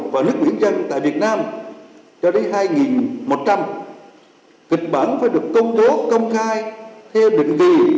và nước biển dâng tại việt nam cho đến hai nghìn một trăm linh kịch bản phải được công thố công khai theo định kỳ